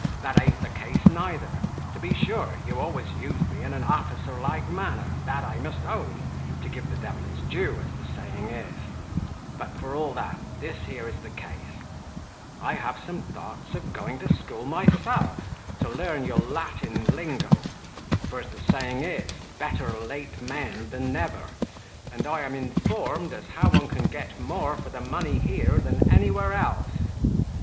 that an't the case neither: to be sure you always used me in an officer like manner, that I must own, to give the devil his due, as the saying is; but for all that, this here is the case, I have some thoughts of going to school myself to learn your Latin lingo: for, as the saying is, Better late mend than never: and I am informed as how one can get more for the money here than anywhere else."